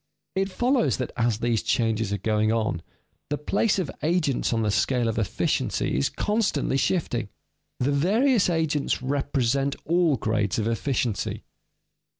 _ It follows that as these changes are going on, the place of agents on the scale of efficiency is constantly shifting. The various agents represent all grades of efficiency.